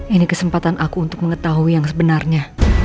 ini kesempatan aku untuk mengetahui yang sebenarnya